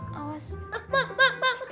mak mak mak sakit mak